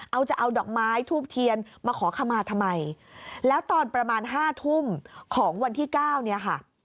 เอาจะเอาดอกไม้ทูบเทียนมาขอขมาทำไมแล้วตอนประมาณห้าทุ่มของวันที่เก้าเนี่ยค่ะ